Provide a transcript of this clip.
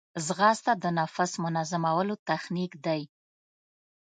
ځغاسته د نفس منظمولو تخنیک دی